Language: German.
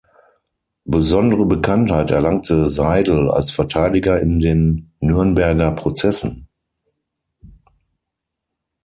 Besondere Bekanntheit erlangte Seidl als Verteidiger in den Nürnberger Prozessen.